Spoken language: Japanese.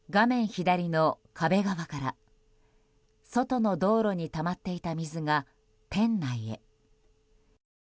左の壁側から外の道路にたまっていた水が店内へ。